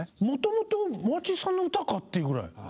もともとマーチンさんの歌かっていうぐらい。